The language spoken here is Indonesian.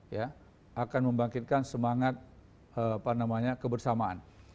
ya akan membangkitkan semangat apa namanya kebersamaan